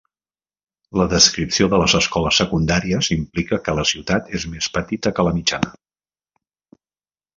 La descripció de les escoles secundàries implica que la ciutat és més petita que la mitjana.